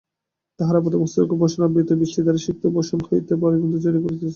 তাঁহার আপাদমস্তক বসনে আবৃত, বৃষ্টিধারায় সিক্ত বসন হইতে বারিবিন্দু ঝরিয়া পড়িতেছে।